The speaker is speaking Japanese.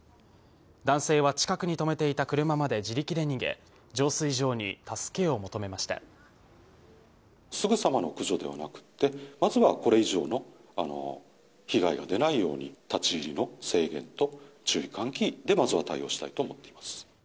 男性は近くに止めていた車まで自力で逃げ、浄水場に助けを求めますぐさまの駆除ではなくて、まずはこれ以上の被害が出ないように、立ち入りの制限と注意喚起で、まずは対応したいと思っています。